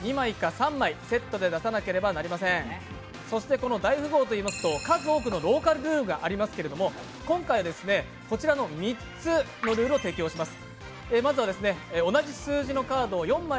この「大富豪」といいますと、数多くのローカルルールがありますけれども、今回、こちらの３つのルールを適用します。